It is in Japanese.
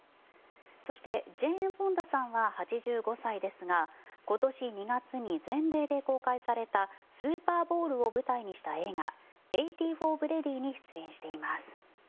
そしてジェーン・フォンダさんは８５歳ですが今年２月に全米で公開されたスーパーボウルを舞台にした映画「８０ＦｏｒＢｒａｄｙ」に出演しています。